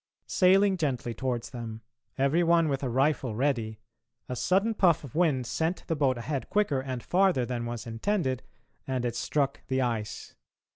Sailing gently towards them, every one with a rifle ready, a sudden puff of wind sent the boat ahead quicker and farther than was intended, and it struck the ice.